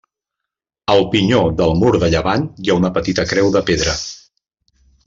Al pinyó del mur de llevant hi ha una petita creu de pedra.